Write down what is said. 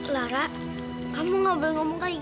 lara kamu gak boleh ngomong kayak gitu lara